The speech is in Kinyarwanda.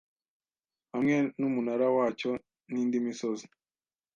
hamwe numunara wacyo nindi misozi